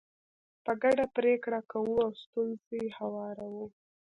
په ګډه پرېکړې کوو او ستونزې هواروو.